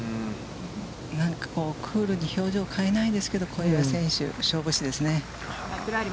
クールに表情を変えないですけれども、小祝選手、勝負師ですね。